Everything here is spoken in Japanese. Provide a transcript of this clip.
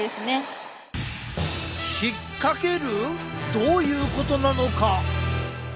どういうことなのか？